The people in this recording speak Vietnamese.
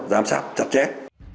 giám sát chặt chét